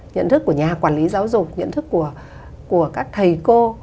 nhận thức của nhà quản lý giáo dục nhận thức của các thầy cô